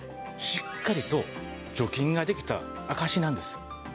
しっかりと除菌ができた証しなんです。